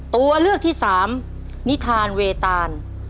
ตัวเลือกที่สามนิทานเวตาน